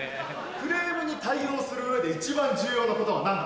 クレームに対応する上で一番重要なことは何だ？